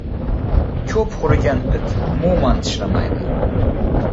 • Ko‘p hurigan it umuman tishlamaydi.